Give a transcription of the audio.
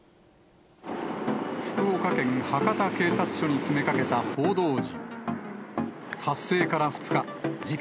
福岡県博多警察署に詰めかけた報道陣。